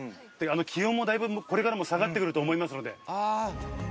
気温もだいぶこれからも下がって来ると思いますので。